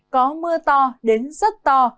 có mưa to đến rất to